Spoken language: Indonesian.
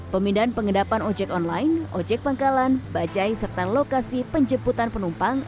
pemindahan pengendapan ojek online ojek pangkalan bajai serta lokasi penjemputan penumpang